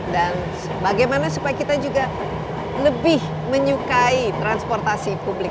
dan bagaimana supaya kita juga lebih menyukai transportasi publik